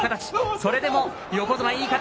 それでも横綱、いい形。